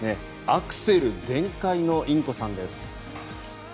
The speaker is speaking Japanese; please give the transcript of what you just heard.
アクセル全開のインコさんです。